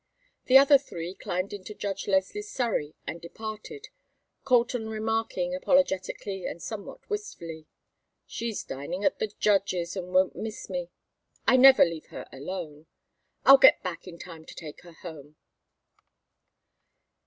The other three climbed into Judge Leslie's surrey and departed, Colton remarking, apologetically, and somewhat wistfully: "She's dining at the judge's and won't miss me: I never leave her alone. I'll get back in time to take her home."